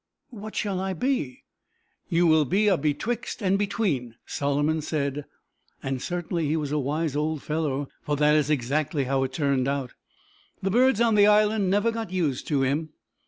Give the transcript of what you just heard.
"What shall I be?" "You will be a Betwixt and Between," Solomon said, and certainly he was a wise old fellow, for that is exactly how it turned out. The birds on the island never got used to him.